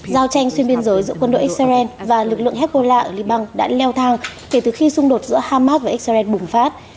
giao tranh xuyên biên giới giữa quân đội israel và lực lượng hezbollah ở liban đã leo thang kể từ khi xung đột giữa hamas và israel bùng phát